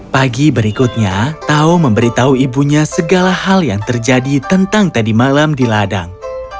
pagi berikutnya tao memberitahu ibunya segala hal yang terjadi tentang tadi malam di ladang